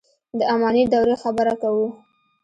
د اماني دورې خبره کوو.